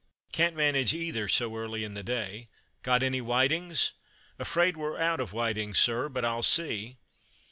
"Can't manage either so early in the day. Got any whitings?" "Afraid we're out of whitings, sir, but I'll see."